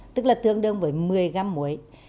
tức là tương đương với một mươi gram mối